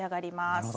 なるほど。